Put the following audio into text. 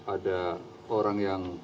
ada orang yang